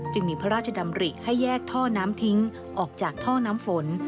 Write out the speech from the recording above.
มีพระราชดำริให้แยกท่อน้ำทิ้งออกจากท่อน้ำฝน